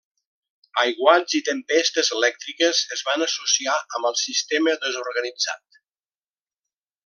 Aiguats i tempestes elèctriques es van associar amb el sistema desorganitzat.